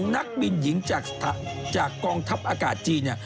นักบินหญิงจากกองทัพอากาศจีน